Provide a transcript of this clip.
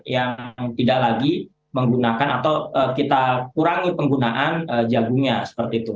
yang tidak lagi menggunakan atau kita kurangi penggunaan jagungnya seperti itu